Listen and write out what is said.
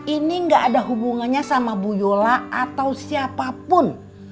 ini gak ada hubungannya sama bu yola atau siapapun